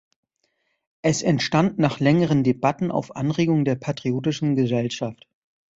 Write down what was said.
Es entstand nach längeren Debatten auf Anregung der Patriotischen Gesellschaft.